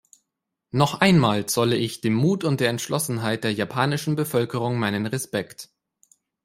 Noch einmal zolle ich dem Mut und der Entschlossenheit der japanischen Bevölkerung meinen Respekt.